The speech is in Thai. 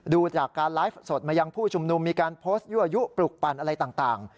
ดูจากการไลฟ์สดมายังผู้ชุมนุมมีการโพสต์ยั่วยุปลุกปั่นอะไรต่าง